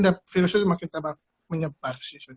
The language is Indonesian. dan virus itu makin menyebar